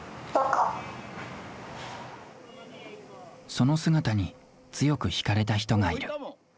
その姿に強く惹かれた人がいる。